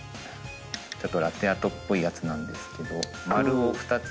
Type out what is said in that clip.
ちょっとラテアートっぽいやつなんですけど。